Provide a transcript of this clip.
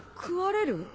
食われる？